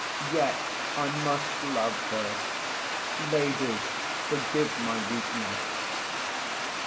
—Yet I must love her—Ladies, forgive my weakness!